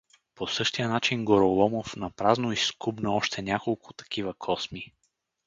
По същия начин Гороломов напразно изскубна още няколко такива косми.